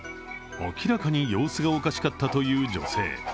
明らかに様子がおかしかったという女性。